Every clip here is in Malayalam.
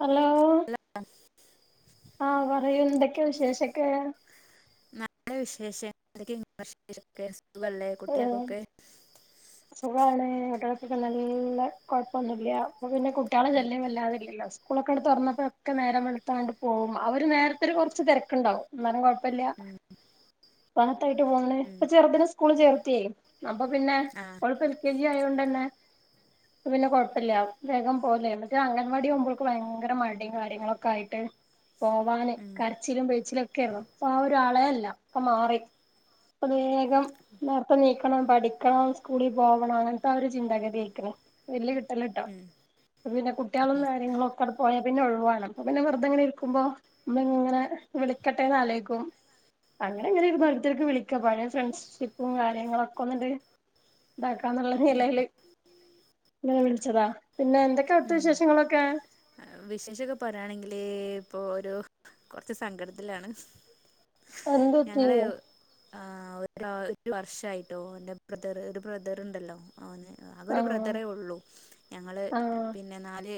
ഹലോ ആ പറയൂ എന്തൊ ക്കെ വിശേഷക്കെ നല്ല വിശേഷം എന്തെക്കെ ഇങ്ങള വിശേഷം ഒക്കെ ആ ഏ സുഖാണ് അവിടെ ക്കെ നല്ല കുഴപ്പൊന്നുമല്ല പിന്നെ കുട്ടികളെ ശല്യം വല്ലാതല്ല സ്കൂളൊക്കെ എടുത്ത് തുറന്നപ്പോഴൊക്കെ നേരം വെളത്താണ്ട് പോകും അവര് നേരത്തെ കുറച്ച് തിരക്കുണ്ടാവുംന്നേരം ഉം പത്തായിട്ട് പോണ ഉം ഇപ്പ ചെറുതിനെ സ്കൂള് ചേർത്തിയായി അപ്പൊ പിന്നെ ആഹ് കൊഴപ്പ എൽ കെ ജി ആയ കൊണ്ട്ന്നെ പിന്നെ കുഴപ്പില്ല വേഗം പോലേ മക്ഷേ അംഗൻവാടി ആവുമ്പോഴക്ക ഭയങ്കര മടും കാര്യങ്ങളൊക്കെ ആയിട്ട് പോവാാന് ഉം കരച്ചിലും പേഴിച്ചിലൊക്കെ അപ്പ ആ ഒരാളെല്ല ഒക്കെ മാറി പ്രത്േകം നേത്തെ നീക്കണം പഠിക്കണം സ്കൂളിൽ പോവണം അങ്ങനത്തെ ആ ഒരു ചിന്താഗതി ആരിക്കുന്നു വല്ിയ കിട്ടല കേട്ടോ ഉം പിന്നെ കുട്ടികളൊന്നും കാര്യങ്ങളൊക്ക അടെ പോയാ പിന്നെ ഒഴിവാാണ് അപ്പ പിന്നെ വെതെങ്ങെരിക്കക്കുമ്പോങ്ങനെ വിളിക്കട്ടെ നലേക്കും അങ്ങനെ ഇങ്ങനെ ഒരു മരുത്തർക്ക് വിളിക്ക പഴ ഫ്രണ്ട്ിപ്പ് ും കാര്യങ്ങളൊക്കെ ഒന്നി് ഇതാക്കാന്നുള്ള ഉം നിലയില് നിന വിളിച്ചതാ പിന്നെ എന്തൊക്കെ അടുത്ത ഉം വിശേഷങ്ങളൊക്കെ ഇപ്പോൾ ഒരു കുറച്ച് സങ്കടത്തിലാണ് അന്ത്ട്ട ആ് ഒരു ഒരു വർഷയിട്ടോ എന്റെ ബ്രദർ ഒരു ബ്രദറുണ്ടല്ലോ ആന്നെ അത ഒരു ആഹ് ബ്രദറേ ഉള്ളൂ ഞങ്ങൾ ആഹ് നാല്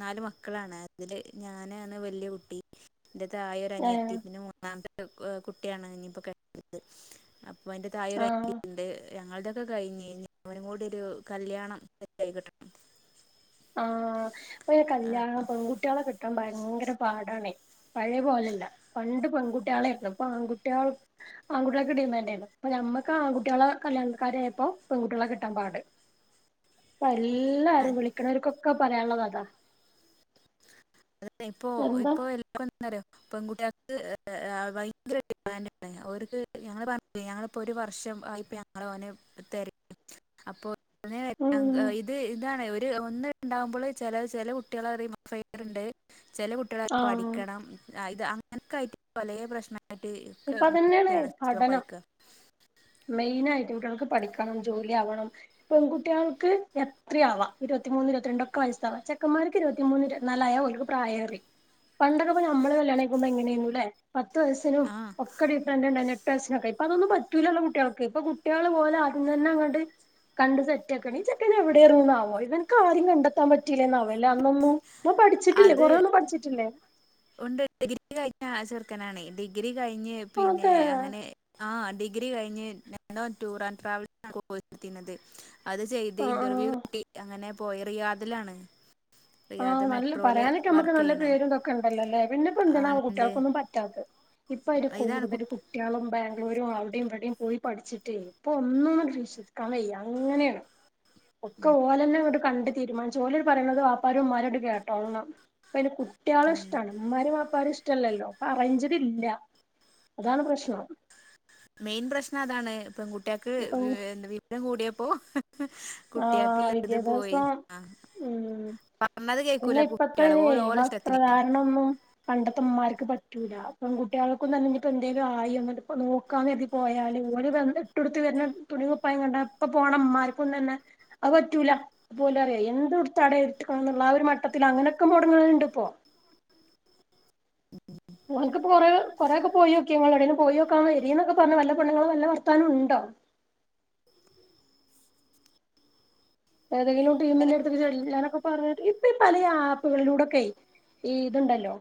നാല് മക്കളാണ് അതില് ഞാനാണ് വലിയ കുട്ടി എ്റത്ത് ആായ ഒര അനിയത്തി ഏഹ് പിന്നെ മൂന്നാമത്തെ കുട്ടിയാണ് ഇനിയിപ്പോ കഴുന്നത് എന്റെ ആഹ് തായര്യണ്ട് ഞങ്ങളതൊക്കെകയ്ഞ് ഇനിപ്പൊ ഇവനുംകൂടിയൊരു കല്യാണം സെറ്റായി കിട്ടണം. ആ... ആ, ഇപ്പയകല്യാണ പെൺകുട്ട്യാളെ കിട്ടാന് ഭയങ്കര പാടാണേ.... പഴേ പോലല്ല പണ്ട് പെൺകുട്ട്യാളേർന്നു ഇപ്പൊ ആൺകുട്യാള് ആൺകുട്ട്യാൾക്ക് ഡിമാന്റെർന്നു ഞമ്മക്ക് ആൺകുട്ട്യാളെ കല്ല്യാണകാര്യായപ്പോ പെൺകുട്ട്യാളെ കിട്ടാൻ പാട് എല്ലാ... രും വിളിക്കിണോർക്കൊക്കെ പറയാന്ള്ളത് അതാണ് അത് ഇപ്പൊ ഇപ്പൊ എല്ല ന്നറിയോ പെൺകുട്ടികൾക്ക് ഭയങ്കര അഭ അവർക്ക് ഞങ്ങള് പറഞ്ഞ ഞങ്ങളിപ്പോൊ ഒരു വർഷം [unintelligible] ഞങ്ങള ന തെരും അപ്പോ [inaudible] ഓന് ഉം [unintelligible] ഇത് ഇതാണ് ഒര് ഒന്ന്ണ്ടാവുമ്പള് ചെല ചെലകുട്ട്യാളറിയും [inaudible] റ്ണ്ട് ചെല കുട്ട്യാള് ത് ആഹ് പഠിക്കണം അ ഇത് അങ്ങനൊക്കെയായിട്ട് പല പ്രശ്നങ്ങള് ട്ട് ഒക്കെ ഇപ്പ അതന്നെയാണ് നക്കയാണ്റ്റോ പഠനം വായിക്ക [unintelligible] ട്ട്യാൾക്ക് പഠിക്കണം ജോലി ആവണം പെൺകുട്ട്യാൾക്ക് എത്രേം ആവാം ഇരുപത്തിമൂന്ന് ഇരുപത്തിരണ്ട് ഒക്കെ വയസാവാം ചെക്കന്മാർക്ക് ഇരുപത്തിമൂന്ന് ഇരുപത്തിനാലായാൽ ഓർക്ക് പ്രായേറി. പണ്ടക്കൊപ്പഞമ്മള് കല്യാണയ്ക്കുമ്പോ എങ്ങനേന്നൂലെ പത്തു വയസിനും ആ ഒക്കെ ഡിഫറന്റെണ്ണേന്നു എട്ട് വയസിനൊക്കെ ഇപ്പതൊന്നുംപറ്റൂലല്ലോ കുട്ട്യാൾക് കുട്ട്യാള് ഓലാദ്യംതന്നെയങ്ങട് കണ്ട്ു സെറ്റ് ആക്കണ ചെക്കൻ എവിടെയ ഇറന്നോ ഇവനക്ക് ആരും കണ്ടെത്താൻ പറ്റയില്ലന്നാവോ അല്ല അന്നൊന്നും ഇപ്പ പഠിച്ചിട്ടില്ലെ അത് കൊറെയൊന്ന് പഠിച്ചിട്ടില്ലേ? ക്ക്നാണെ ഡിഗ്രി കഴിഞ്ഞ് പിന്നെ... അതെ യങ്ങനേ.... ഡിഗ്രി കഴിഞ് നോ ടൂർ [inaudible] ആൻഡറ് ട്രാവൽത്തിുന്നത് അത് ചെയ്ത് ആഹ് ഇന്റർവ്യൂ ആഹ് കിട്ടി അങ്ങനെ പോയി റിയാദിലാണ് ആഹ് റിയാദ് നല്ല മെട്രോയില് പറയാനൊക്കെ ഞമ്മക്ക് വർക്ക് നല്ല ചെയ്യണ് പേരുംതൊക്കെണ്ടല്ലോലെ.. ആ, പിന്നെപ്പെന്തണാവോ ഉണ്ട് കുട്ട്യാൾക്കൊന്നും പറ്റാത്തത് ഇപ്പയ്ന് ഇതാണ് കുട്ടി കൂടുതല് കുട്ട്യാളും ബാ.. എല്ലോരും അവിഡിം ഇവിഡിം പോയി പഠിച്ചിട്ടേ ഇപ്പൊന്നൊങ്ങട്ട് വിശ്വസിക്കാൻ വയ്യ അങ്ങനാണേ.... ഒക്ക ഓലന്നങ്ങട്കണ്ട് തീരുമാനിച്ച് ഓല്ണ്ട് പറയിണത് ബാപ്പാരുമ്മാരണ്ട് കേട്ടാല്ന്നാ... ഇപ്പയ്ന് കുട്ട്യാളഷ്ട്ടാണ് ഇമ്മാരേംബാപ്പാരേം ഇഷ്ട്ടല്ല. റ്റല്ലല്ലോ ഇപ്പറയ്ഞ്ചിടില്ലാ.. അതാണ് പ്രശ്നം മെയിൻപ്രശ്നതാണ്. പെൺകുട്ടിയാക്ക് വി... ന്ത വിരുതംകൂടിയപ്പോ ആ.... വിദ്യാഭ്യാസം.. ആ ഉം... പറഞ്ഞത് കേക്കൂല കുട്ടികള് പിന്നെയ്പ്പത്തൊരേ.. ഓരോ ഓല ഇഷ്ടത്തിന് വസ്ത്രധാരണൊ ന്നും പണ്ടത്തമാരിക്ക് ക്ക് പറ്റൂലാ.. പെൺകുട്ട്യാൾക്കുംതന്നെ പിന്നെന്തേലുവായിന്ന് ണ്ട്പ്പനോക്കാന്ന് കരുതി പോയാല് ഓല് വെ ഓരുടുത്ത് വര്ന തുണിംകുപ്പായും കണ്ട ഇപ്പ പോണമ്മാർക്കുംതന്നെ അപറ്റൂല അപ്പൊലറിയേ എന്തുട്താടെ ഇട്ട്ക്ക്ണ്ന്ന്ള്ള ആഒരു മട്ടത്തിലങ്ങനൊക്കെ മൊടങ്ണ് ണ്ട്പ്പൊ അ ഇങ് ക്ക്പ്പ കൊറേ.. കൊറെക്കെപോയോക്ക്യോ ഇങ്ങളെവിടേംപോയോക്കാൻ വാരീംന്നക്ക പറഞ്ങ്ങാണ്ട് വല്ല പെണ്ണ്ങ്ങളെ വല്ല വാർത്താനോംണ്ടാ...? ഏതെങ്കിലും ടീമിന്റെട്ത്ക്ക് ചെല്ലാനൊ ക്കൊപറഞ്ട്ട് ഇപ്പേപലേ... ആപ്പുകളിലൂടൊക്കെ ഇത്ണ്ടല്ലൊ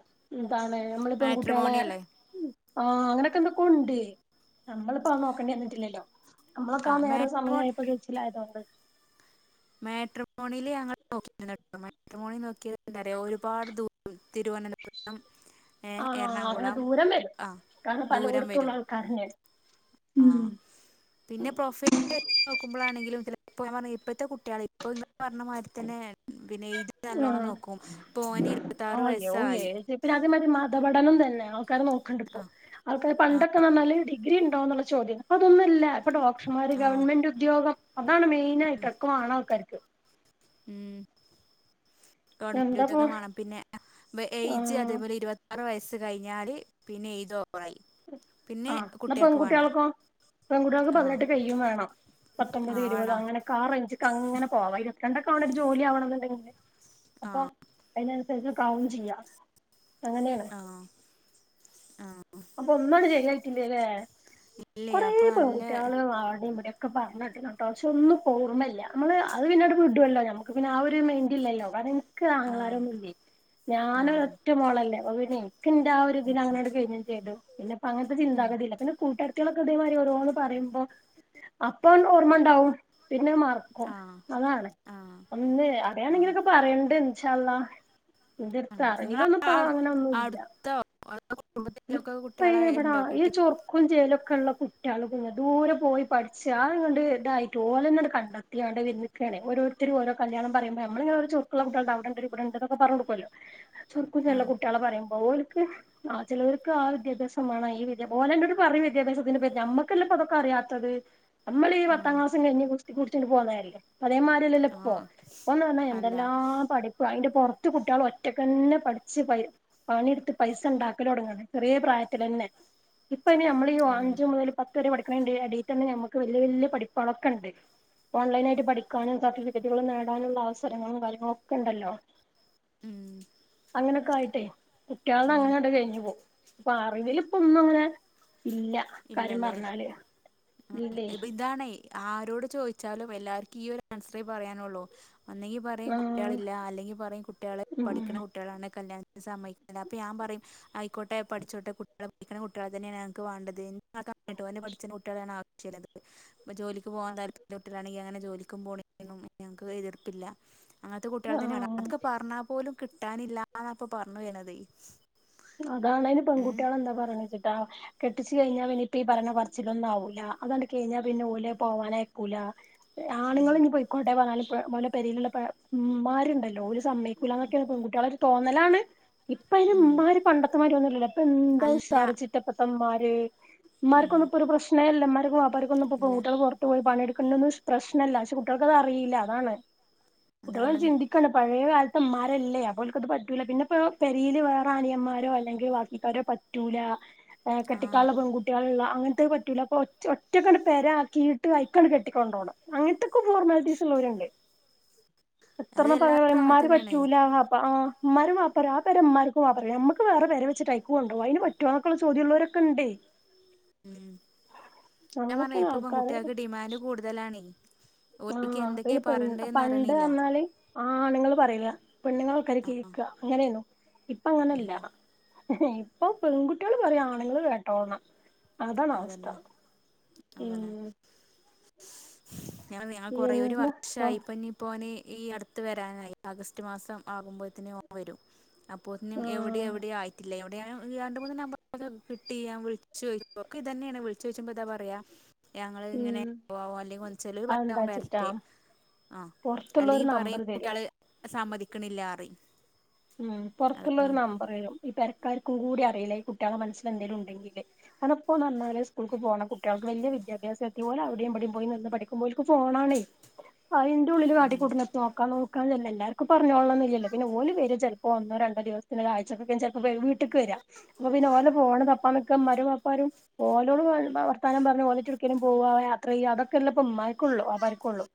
എമ്മള് പെങ്കുട്ട്യാളെ മാട്രിമോണി അല്ലേ ആ... അങ്ങനെക്കെന്തക്കോണ്ട് ഞമ്മള്പ്പവ്നോക്കണ്ടി വന്നിട്ടില്ലല്ലോ അമ്മളൊക്കെ ആ.. നേരോം സമയായപ്പൊ കയ്ച്ചിലായതോണ്ട്. മാട്രിമോണില് ഞങ്ങള് നോക്കീന്ന്ട്ടോ മാട്രിമോണി നോക്ക്യേതെന്താന്നറിയോ ഒരുപാട് ദൂരം തിരുവനന്തപുരം [inaudible] ആഹ് അങ്ങനെ എറണാകുളം ദൂരം വരും കാരണം ദൂരം പലയിടത്തുള്ള വരും. ആൾക്കാരന്നെ ആ.... ഉം പിന്നെ പ്രൊഫൈല് വെച്ച് നോക്ക്മ്പളാണെങ്കിലും ചെലേപ്പൊ ഞപറഞ്ഞീലെ ഇപ്പഴ്ത്തെ കുട്ട്യാള് ഇപ്പൊ ഇങ്ങ പറഞമാരിതന്നെ മ്... പിന്നെ ഏജ് നല്ലോണം ഉം നോക്കും ഇപ്പോന് ഇരുപത്താറ് വയസ്സായി. അതേമാരി മതപഠനംതന്നെ ആൾക്കാര് നോക്ക്ണ്ട്പ്പൊ ആഹ് ആൾക്കാ.. ആഹ് പണ്ടൊക്കെന്ന്റഞ്ഞാല് ഡിഗ്രിണ്ടോന്നുള്ള ചോദ്യെന്ന് ഇപ്പതൊന്നല്ല ഡോക്ടർമാര് ആഹ് ഗവണ്മെന്റുദ്യോഗം അതാണ് മെയിനായിട്ടൊക്കെവേണാൾക്കാർക്. ഉംമ്.... എന്താപ്പോ ഗവൺമെന്റുദ്യോഗംവാണം പിന്നെ എ ഏജ് ആഹ് അതെപോലെ ഇരുപത്താറ് വയസ് ത് കഴിഞ്ഞാല് പിന്നെ ഇതോ ആ എന്ന വേണ്ട പെൺകുട്ടിയാൾക്കോ പെൺകുട്ടികൾക്ക് ആഹ് പതിനെട്ട് കയ്യും വേണം പത്തൊമ്പത് ആഹ് ഇരുപത് വേണം അങ്ങനൊക്കെ ആ റേഞ്ചിക്ക് അങ്ങനെ പോവാ കണ്ടക്ക ഒരു ജോലി ആവണം എന്നുണ്ടെങ്കില് അപ്പൊ ആഹ് അതിനനുസരിച്ച് കൗണ്ട് ചെയ്യാം അങ്ങനെയണ് ആ അപ്പൊ ഒന്നും അങ്ങട് ശരി ആയിട്ടില്ലല്ലെ ഇല്ലേ കുറെ അപ്പൊ നല്ല പെൺകുട്ടികള് അവിടെയും ഇവിടെക്കെ പറഞ്ഞി കേട്ടോ പക്ഷെ ഒന്നും ഓർമല്ല നമ്മള് അത് പിന്നീട് വിടുല്ലോ നമുക്ക് പിന്നെ ആ ഒരു മെയിൻ്റില്ലല്ലോ കാര ക്ക് ആങ്ങളാർ ആഹ് ഒന്നുല്ലേ ഞാനും ആഹ് ഒറ്റ മോളല്ലേ അപ്പോ പിന്നെ കന്റെ ആ ഒരുരിനി ഉം അങ്ങനെട് കഴിഞ്ഞ പിന്നെപ്പൊ അങ്ങത്തെ ഉം ചിന്താഗതില്ല പിന്ന കൂട്ട കുട്ടികളൊക്കെ ഇതേമാതിരി ഓരോന്ന് പറയുമ്പോ അപ്പൊ ഓർമ്മ ഉണ്ടാവും പിന്നെ മറക്കും ആഹ് അതാണ് ആഹ് ഒന്ന് ആഹ് അറിയണെങ്കിനൊക്കെ പറയണ്ട് ഷാ അല്ലാഹ് ഇതിർത്ത ആഹ് നിങ്ങള അറിയിലൊന്നും പ അടു അങ്ങനെ ഒന്നുംല്ല അടുത്തോ അതോ ഇ കുടുംബത്തിലൊക്കെ പന കുട്ടികളെ ഇവിടാ ഉണ്ടോ ഈ കെട്ടി ചുറുക്കും ചേലൊക്കെ ഉള്ള കുട്ടികൾ കുഞ്ഞെ ദൂരെ പോയി പഠിച്ച് ആത കൊണ്ട് ഇതായിട്ട് ഓലന്നോട് കണ്ടെത്തിയാണ്ട് വന്നക്കണേ ഓരിത്തിരി ഓരോ കല്യാണം പറയുമ്പോ നമ്മളങ്ങനെ ചുക്കള കുട്ടികളുണ്ട് അവിടുണ്ട് ഇവിടെണ്ടൊക്കെ പറ കൊടുക്കല്ലോ ചുർക്കു ചള്ള ആഹ് കുട്ടികളെ പറയുമ്പോൾ ഓൽക്ക്ആ ചിലവർക്ക് ആ വിദ്യാഭ്യാസമാണ് ഈ വിദ്യ പോലെ ഓലെൻ്റൊരു പറയും വിദ്യാഭ്യാസത്തിന്റെ പ നമ്മക്കല്ലേ ഇപ്പോ അതൊക്കെ അിയാത്തത് നമ്മള് ഈ പത്താം ആഹ് ക്ലാസ് കഴിഞ്ഞ് കുസ്ത്തി കുടിച്ചിട്ട് പോന്നതല്ലേ അതേമാരില്ലല്ല ഇപ്പൊ ആഹ് ഇപ്പന്ന് പറഞ്ഞാ അല്ല എന്തെല്ലാം പഠിപ്പ് അതിന്റെ പുറത്ത് കുട്ടികള് ഒറ്റക്കന്നെ പഠിച്ച് പ പണിയെടുത്ത് പൈസ ഉണ്ടാക്കി കൽ തൊടങ്ങാണ് ചെറിയ പ്രായത്തിൽ തന്നെ ഇപ്പൊ ഇനി നമ്മള് അതന്നെ അഞ്ചു മൊതല് പത്ത് വരെ പടി കണ്ട് അടിത്തന്നെ ഞമുക്ക് വലിയ വലിയ പഠിപ്പളൊക്കെ ഉണ്ട് ഓൺലൈനായിട്ട് പഠിക്കാനും സർട്ടിഫിക്കറ്റുകൾ നേടാനുള്ള അവസരങ്ങളും കാര്യങ്ങളും ഒക്കെ ഉണ്ടല്ലോ ഉം അങ്ങനെയൊക്കെ ആയിട്ടേ കുട്ടിയാൾത് അങ്ങനെ അങ്ങട് കഴിഞ്ഞു പോ അപ്പൊ അറിതിൽ ഇപ്പൊ ഒന്നും അങ്ങനെ ഇല്ല കാര്യം ഇല്ലല്ലേ പറഞ്ഞാല് ഇല്ലേ ഇപ്പൊ ഇതാണേ ആരോട് ചോദിച്ചാലും എല്ലാർക്കും ഈ ഒരു ആൻസറെ പറയാനുള്ളൂ അന്നെങ്കി പറം ആഹ് കുട്ടികളില്ല അല്ലെങ്കിൽ പറയും കുട്ടികൾ ഉം പഠിക്കണ കുട്ടികളാണ് കല്യാണ സമ്മ ല അപ്പൊ ഞാൻ പറയും ആയിക്കോട്ടെ പഠിച്ചോട്ടെ കുട്ടികളെ പഠിക്കുന്ന കുട്ടികളെ തന്നെയാണ് ഞക്ക് വേണ്ടത് ട്ടോ പഠിച്ച കുട്ടികളാണ് ള്ളത് ജോലിക്ക് പോകാൻ താല്പര്യ തൊട്ടിലാണെങ്കിൽ അങ്ങനെ ജോലിക്കും പോണും ഞങ്ങക്ക് എതിർപ്പില്ല അങ്ങനത്തെ കുട്ടികൾ തന്നെയാണ് ആഹ് അതൊക്കെ പറഞ്ഞാ പോലും കിട്ടാനില്ലന്നപ്പൊ പറഞ്ഞു വണത് അതാണ് അതിന് പെൺകുട്ടികളെന്താ പറണ്ച്ചിട്ടാ കെട്ടിച്ചു കഴിഞ്ഞാ ഇനിയിപ്പ ഈ പറണ പറച്ചിലൊന്നും ആവൂല അതണ്ട് കഴിഞ്ഞാൽ പിന്നെ ഓലെ പോവാനേക്കൂല ആണുങ്ങൾ ഉം. ഞ്ഞ് പോയിക്കോട്ടെ പറഞ്ഞാലും പ ഓലേ പെരേലുള്ള പ ഉമ്മാരുണ്ടല്ലോ ഒരു സമയ്ക്കൂല എന്നൊക്കെയാണ് പെൺകുട്ടികള തോന്നലാണ് ഇപ്പ അതിന് ഉം. ഉമ്മാര് പണ്ടത്തമ്മാര് ഒന്നും അല്ലല്ല അപ്പൊ എന്താ അല്ല ഉഷാരിച്ചിട്ടപ്പത്തമ്മാര് ഉം. ഉമ്മാർക്കൊന്നും ഇപ്പോ ഒരു പ്രശ്നേല്ല ഉമ്മാര്ക്കും വാപ്പാർക്കും ഇപ്പോ ഇല്ല പെൺകുട്ടികൾ പുറത്ത് പോയി പണിയെടു ക്ക്ണൊന്നും പ്രശ്നല്ല പക്ഷെ കുട്ടികൾക്ക്ത് അറിയില്ല അതാണ് കുട്ടികൾ അതാണ് ചിന്തിക്കാണ് പഴയ കാൽ തമ്മാരല്ലേ അപ്പൊ ഓല്ക്കത് പറ്റൂല പിന്നെ ഇപ്പൊ പെരില് വേറണിയമ്മാ രോ അല്ലെങ്കിൽ ബാക്കിക്കാരോ പറ്റൂല ഏ ആഹ് കെട്ടിക്കാള്ള പെൺകുട്ടിയാള്ള അങ്ങനത്ത പറ്റൂല ഇപ്പൊ ഒറ്റ ഒറ്റക്കണ്ട് പെര ആക്കിയിട്ട് കൈക്കണ്ട് കെട്ടിക്കൊണ്ടോണം അങ്ങത്തത്തെക്കെ ഫോർമാലിറ്റീസ്ള്ള ഓര്ണ്ട് അത് എത്രണ്ണം ഇപ്പൊ അങ്ങനെ എല്ലാവരും എമ്മാര് തന്നെയാണ് പറ്റൂല വാപ്പ ആ ഉമ്മാര് വാപ്പരും ആ പെര ഉമ്മാർക്കും വാപ്പക്കും നമ്മക്ക് വേറെ പെര വച്ചിട്ട് അയിൽക്ക് കൊണ്ടോവ അയിന് പറ്റുന്നൊ ക്കുള്ള ചോദ്യം ഉള്ളവരൊക്കെ ഉണ്ടേ ഞാൻ പറഞ്ഞ് ഇപ്പ ആൾക്കാര് പെൺകുട്ടികൾക്ക് ഡിമാൻഡ് കൂടുതലാണേ ആ ഓൽക്ക് അപ്പ എന്തൊക്കെയ ഇനി പറയണ്ടേന്ന് പണ്ട് അറിയണില്ല എന്നാല് ആ ആണുങ്ങള് പറയ ആഹ് പെണ്ണുങ്ങൾക്കരിക്കിരിക്കുക അങ്ങനെയന്നോ ഇപ്പ അങ്ങനല്ല ഉം ഇപ്പൊ പെൺകുട്ടികള് പറയാ ആണെങ്കും കേട്ടോണം അതാണവസ്ഥ അതന്നെ അതന്നെ ഉം ഞാൻ ഞാൻ കുറേ ഒരു എന്താ ഇപ്പൊ വർഷായിപ്പനിപ്പോന് ഈ അടുത്ത് വരാനായി ആഗസ്റ്റ് മാസം ആകുമ്പോഴ്ത്ത്ന് ഓംവരും അപ്പോത്നും എവിടെ ആഹ് എവിടെ ആയിട്ടില്ല എവിടെ [unintelligible] രണ്ടു മൂന്ന് നമ്പർക് [unintelligible] കിട്ടീല്ല വിളിച്ചു [unintelligible] ബുക്കൈതെന്നേണ് വിളിച്ചോയ്ച്ചുമ്പോതാ പറയാ ഞങ്ങള്ങ്ങനെ ഉം പോവാല്ലെ [unintelligible] ചെലോര്പറയും അതെന്താച്ചിട്ടാ ഓൻവര്ട്ടെ ആ പൊറത്തുള്ളോര് നമ്പർ അല്ലെങ്കിപറയും തരും കുട്ടൃള് സമ്മതിക്ക്ണില്ലാറി ഉം പൊറ്ത്തുള്ളൊരു നമ്പറരും ഈപെര ക്കാർക്കുംകൂടി അറീല്ല ഈ കുട്ടൃളെ മനസ്സലെന്തേലുണ്ടെങ്കില് അനപ്പോന്നർനാല് സ്കൂൾക്ക് പോണ കുട്ടൃൾക്ക് വല്ലൃ വിദ്യാഭ്യാസത്തി ഓലവിടിം ഇബടീം പോയിനിന്ന് പഠിക്കുമ്പോ ഓൽക് ഫോണാണൈ ഐന്റെ ഉള്ളില് ഉം കാട്ടിക്കൂട്ടണത് നോക്കാൻ നോക്കാൻല്ലെല്ലാർക്കും പ്പഅറിഞ്ഞോളണന്നില്ലല്ലോ പിന്നെ ഓല് വരും ചെലപ്പോ ഒന്നോ രണ്ടോ ദിവസ്ത്തിന് ആഴ്ചക്കൊക്കെ ചെല്പ്ംവരും വീട്ട്ക്ക്വേരാ പ്പൊപിന്നെ ഓലെ ഫോണ്തപ്പാന്ക്കാ ഇമ്മാരുംവാപ് വരും ഓലോട് വർത്താനംപറഞ്ഞ് ഓലെചിരിക്കലും പോവ യാത്രയ്യ അതൊക്കെല്ലപ്പമ്മാർക്കൊള്ളൂ അവർ കൊള്ളു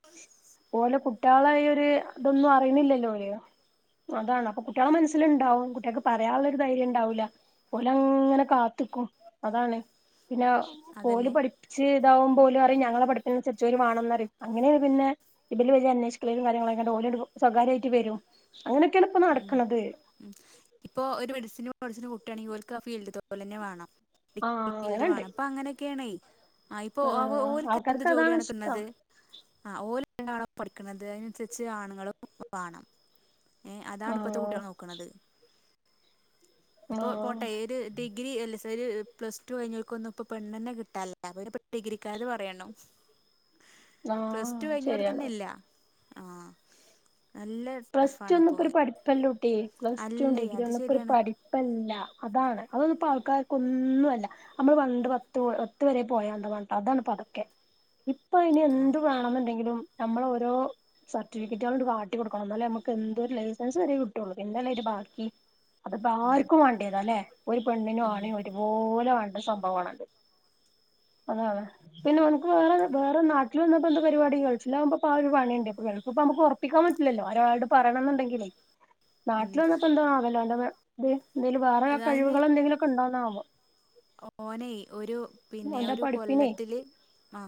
ഓലെ കുട്ടൃളെയൊര് ഇതൊന്നും അറിയുന്നില്ലല്ലോ അതാണ് അപ്പ കുട്ടൃളെ മൻസ്സിലുണ്ടാവും കുട്ടൃക്ക് പറയാൻള്ളൊരു ധൈര്യണ്ടാവുല്ല ഓലങ്ങനെ കാത്ത്ക്കും അതാണ് പിന്നെ ഓല് അതന്നെ പഠിപ്പിച്ച് ഇതാവും പോലുപറിം ഞങ്ങള പഠിപ്പിനനുസരിച്ചോര് വാണെന്നറിം അങ്ങനെ പിന്നെ ഇബല് വരാ അന്വേഷിക്കലും കാര്യങ്ങളെകണ്ട് ഓല്ണ്ട് സ്വകാര്യായിട്ട് വരും അങ്ങനൊക്കെണ്പൊ ഉം ഉം ഇപ്പൊ ഒരു മെഡിസിന് പഠിച്ച്ണെ കുട്ടിയാണെങ്കി ഓൽക്കാ ഫീൽഡ്തോലെന്നെ വാണം [unintelligible] ആഹ് ഫീൽഡ് അങ്ങനെണ്ട് വാണം പ്പൊങ്ങനെയൊക്കേണൈ ആ ഇപ്പൊ ആഹ് ആവൊഓൽക്കെന്ത് ആൾക്കാർക്ക് അതാണ് ഇഷ്ടം ജോലിയാണ്കിട്ട്ണത് ആഓലെ [unintelligible] പഠിക്ക്ണത് അതിനൻസരിച്ച് ആണുങ്ങളുംവാണം ഏ അതാണ് ഇപ്പത്തെ ആഹ് കുട്ടൃള് നോക്ക്ണത് ഇപ്പോ ആഹ് പോട്ടെ ഏത് ഡിഗ്രി എല്ലസ് ഒര് പ്ലസ് ടു കഴിഞ്ഞോൽക്കൊന്നും ഇപ്പപെണ്ണന്നെ കിട്ടാല്ല അപ്പപിന്നെ ഡിഗ്രിക്കാരത് പറയണോ ആഹ് പ്ലസ് ടു ശരിയാണ് കഴിഞ്ഞോർക്കന്നെ ഇല്ല ആ നല്ല ടഫാണ്പൊ പഠിപ്പല്ലോട്ടി പ്ലസ് ടു ഡിഗ്രി ശരിയാണ് ഒന്നിപ്പോരുപഠിപ്പല്ല അതാണ് അതൊന്ന് താ ആർക്കാർക്കൊന്നൊല്ല നമ്മള് വണ്ട് പത്ത് പത്ത് വരെ പോയാന്തപർണട്ട് അതാണ് പതൊക്കെ ഇപ്പൊ എനി ആഹ് എന്ത് വേണെന്നുണ്ടെങ്കിലും നമ്മളോരോ സർട്ടിഫിക്കേറ്റാളണ്ട് കാട്ടികൊടുക്ക ണം ന്നാലെ നമുക്കെന്തൊരു ലൈസൻസ്വരെ കിട്ടുള്ളൂ പിന്നല്ലേ ഒരു ബാക്കി അതിപ്പോ ഉം ആർക്കും വേണ്ടൃതാല്ലേ ഒരു പെണ്ണിനും ഉം ആണിനും ഒരുപോലെ വേണ്ടസംഭവാണത് [inaudible] അതാണ് പിന്നെ ഓൻക്ക് വേറെ വേറെ നാട്ടിൽന്നപ്പൊന്ത് പരിപാടി ഗൾഫിലാകുമ്പപാഒരു പണിയുണ്ട് പൊ ഗൾഫ്പൊ മ്മകൊറപ്പിക്കാം പ ഇല്ലല്ലോ ഒരാൾട് പറയണംന്നുണ്ടെങ്കിലൈ ഉം നാട്ടില് വന്നപ്പന്താ ആവല്ലോ എന്ത ത് എന്തേലും വേറെകഴിവുകളന്തങ്കിലൊക്കെണ്ടാനാവോ ഒ ഓനൈ ഒരു പിന്നെ അവന്റെ ഒരു പഠിപ്പിനെ കൊല്ലത്തില് ആ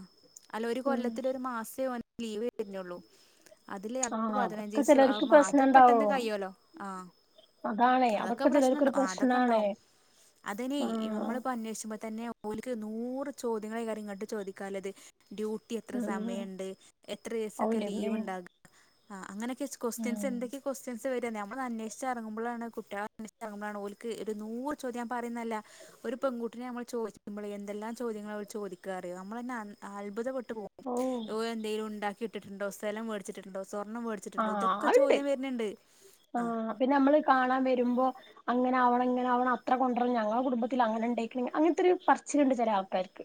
അല്ല ഒരു ഉം കൊല്ലത്തിലൊരു മാസേ ഓന് ലീവ് വര്ഞ്ഞൊള്ളു അതില് അത് ആഹ് അതൊക്കെ പതിനഞ്ചീസ ആ ചിലർക്ക് മാ പ്രശ്നം അത് പെട്ടെന്ന് ഉണ്ടാവും കയ്യോലൊ ആ അതാണേ അതൊക്കെ പ്രശ്നുണ്ടോ ചിലർക്കൊരു പ്രശ്നാണേ അതൊക്കെണ്ടാവും അത്ഞൈ ഈ ആഹ് നമ്മള്പ്പോ അന്വേഷിച്ചുമ്പോ തന്നെ ഓല്ക്ക് നൂറ് ചോദ്യങ്ങളൈകാരം ഇങ്ങട്ട് ചോദിക്കാല്ലത് ഡ്യൂട്ടി എത്ര ഉം സമയണ്ട് എത്ര ദിവസൊക്കെ അവന്റെമ്മേ ലീവ്ണ്ടാക അ അങ്ങനെ സ്ക്വസ്റ്റ്യൻസ് ഉം എന്തൊക്കെ ക്വസ്റ്റ്യൻ സ വരാ നമ്മടന്വേഷിച്ചിറങ്ങുമ്പോളാണ് കുട്ടൃളെ അന്നേഷിറങ്ങുമ്പളാണ് ഓൽക്ക് ഇത് നൂറ് ചോദ്യ ഞാപറയുന്നല്ല ഒരു പെൺകുട്ടിനെ നമ്മൾ ചോദിച്ചുമ്പളേ എന്തെല്ലാം ചോദ്യങ്ങളാഓല്ചോദിക്കാറിയോ നമ്മളെന്നെ അൻ അത്ഭുതപ്പെട്ട ട്ട്പോകും ഓ ഓലന്തേലുംണ്ടാക്കി ഇട്ടിട്ടുണ്ടോ സ്ഥലം മേടിച്ചിട്ടുട്ട്ണ്ടോ സ്വർണം മേടിച്ട്ടുട്ട്ണ്ടോ ഇതൊക്കെ ചോദ്യം വരുന്ണ്ട് ആ പ്പിന്നമ്മള് കാണാൻ വരുമ്പോ അങ്ങനെ ആണം ഇങ്ങനെ ആണം അത്ര കൊണ്ടരണം ഞങ്ങളുടെ കുടുംബത്തിൽ അങ്ങനെ ഉണ്ടേക്കണ അങ്ങനത്തെ ഒരു പച്ചനുണ്ട് ചില ആൾക്കാർക്ക്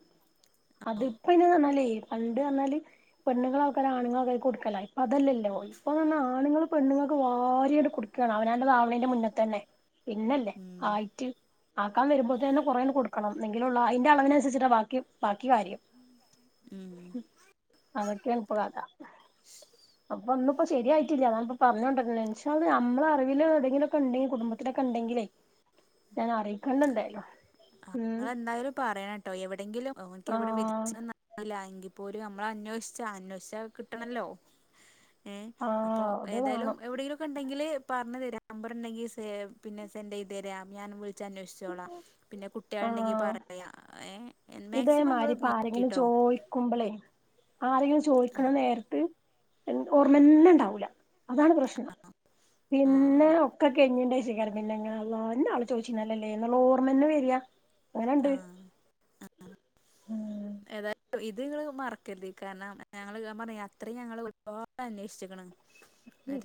ആ അത്പ്പോ ഇന്ന പറന്നാലേ പണ്ട് എന്നന്നാല് പെണ്ണുൾക്കെ ആണുൾക്ക കൊടുക്കല ഇപ്പൊ അതല്ലല്ലോ ഇപ്പൊാ ആണുൾ പെണ്ണുൾ വരി കുടുക്കാണ് അവനാണ്ട് വാവളിന്റെ മുന്നത്ത തന്നെ പിന്നല്ലേ ഉം ആയിട്ടു ആക്കാൻ വരുമ്പോത്തേ തന്നെ കൊറെേന്ന് കൊടുക്കണം എങ്കിലുംള്ള അതിന്റെ അളവിനനുസച്ചിട്ട് ബാക്കി ബാക്കി കാര്യം ഉം അതക്കെനപ്പടാത അപ്പൊന്ന ഇപ്പോ ശരിയായിട്ടില്ല ാൻിപ്പ പറഞ്ഞോൊണ്ടരെൽ നമ്മളറിൽ ഏതെങ്കിലൊക്കെ ഉണ്ടെങ്ക കുടുംബത്തിലൊക്കെ ഉണ്ടെങ്കിൽ ഞാൻ അറിയിക്കണ്ട എന്തായാലോ നിങ്ങെന്തായാലും പറയണം കേട്ടോ എവിടെയെങ്കിലുംക്ക് എവിടെ ആഹ് വിച്ച അപ്പോൾ ഒരു നമ്മള അന്വേഷിച്ചാണ് അന്വേഷിച്ചത് കിട്ടണല്ലോ അപ്പോൊ ആഹ് അത് ഏതായാലും വേണം എവിടെെങ്കിലും ഒക്കെ ഉണ്ടെങ്കിൽ പറഞ്ഞ ത നമ്പർ ഉണ്ടെങ്കിൽ സേവ് പിന്നെ സെൻറ് ചെയ്ത് തരാം ഞാൻ വിളിച്ച അന്വേഷിച്ചോളാം പിന്നെ കിണ്ടെങ്കി ആഹ് പറയാം ഏർ മാക്സിമം ഇതേമാരി നിങ്ങൾ ഇപ്പ ആരെങ്കിലും നോക്കിട്ടോ ചോയിക്കുമ്പളേ ആരെങ്കിലും ആ ചോദിക്കണം നേരിട്ട് ഓർമ്മന്നുംണ്ടാവൂല അതാണ് പ്രശ്നം ആ പിന്നെ ഒക്കെ കെഞ്ഞിണ്ടച്ചിക്കാരം പിന്നെന്നെ അവള് ചോദിച്ചി ല്ലേ നിുള്ള ഓർമ്മന്ന വരിയാ ആഹ ഉം തായ ഇത്ങ്ങ മറക്കരുത് കാരണം ഞങ്ങള് പറഞ്ഞ അത്രയും ഞങ്ങള്ൾ ഒരുപാട് അന്വേഷിക്കണ്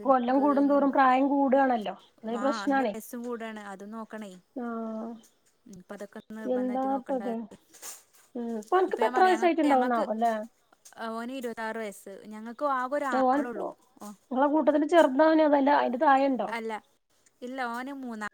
കൊല്ലം കൂടും തോറും പ്രായം കൂടവാണല്ലോ അതത് പ്രശ്നണേ നോക്കണ ഇപ്പ അതൊക്കെ നിർബന്ധമായിട്ട് നോക്കണ്ട എന്താപ്പത് ഉം ഇപ്പ അനക്കിപ്പ ഞാൻ എത്ര പറയാം ഞങ്ങക്ക് ഞങ്ങൾക്ക് വയസ്സായിട്ടുണ്ടാവുന്നാവോ അല്ലേ ഒന് ഇരുപത്തിാറ് വയസ്സ് ഞങ്ങക്ക് നിടെ കൂട്ടത്തിന്റെ ചെറുതാവന അതല്ല അ അല്ല ഇല്ല ഓനും മൂന്നാ